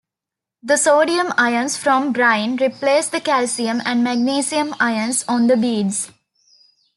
The sodium ions from brine replace the calcium and magnesium ions on the beads.